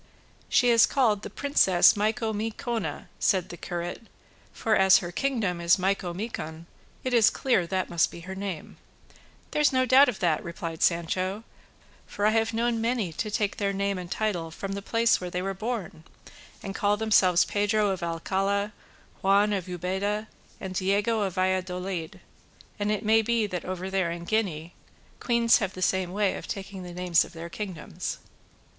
"She is called the Princess Micomicona," said the curate; "for as her kingdom is Micomicon, it is clear that must be her name." "There's no doubt of that," replied Sancho, "for I have known many to take their name and title from the place where they were born and call themselves Pedro of Alcala, Juan of Ubeda, and Diego of Valladolid; and it may be that over there in Guinea queens have the same way of taking the names of their kingdoms."